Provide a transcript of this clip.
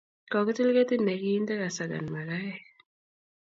Kokitil ketit ne kinte asakan makaek